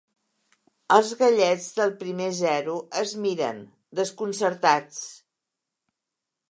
Els gallets del primer zero es miren, desconcertats.